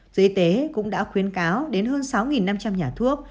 giới y tế cũng đã khuyến cáo đến hơn sáu năm trăm linh nhà thuốc